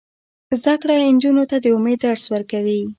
زده کړه نجونو ته د امید درس ورکوي.